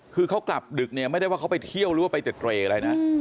คือเขากลับดึกเนี่ยไม่ได้ว่าเขาไปเที่ยวหรือว่าไปเต็ดเรย์อะไรนะ